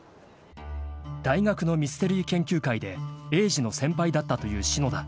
［大学のミステリー研究会で栄治の先輩だったという篠田］